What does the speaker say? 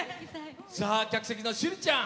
客席の趣里ちゃん。